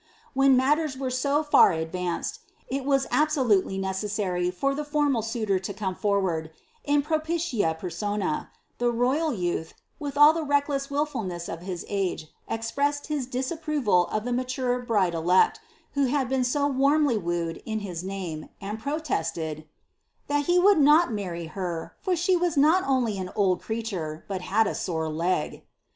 When matters were so far advanced, that it was absolutely necessarv for the nominal suitor to come forward, in propria persona, the rov al youth, with all the reckless wilfulness of his age, expressed his disap proval of the mature bride elect, who had been so warmly wooed in hit name, ami protested " that he would not marry her, for she was not only an old creature, but had a sore leg."